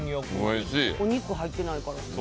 お肉入ってないから。